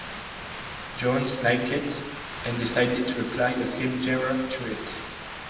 Jonze liked it, and decided to apply a film genre to it.